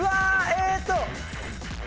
えーっと。